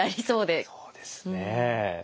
そうですね。